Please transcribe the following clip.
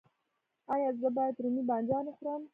ایا زه باید رومی بانجان وخورم؟